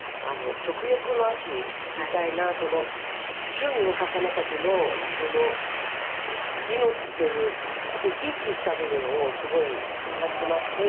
食欲の秋みたいなその旬の魚たちの命というか生き生きした部分をすごい感じまして。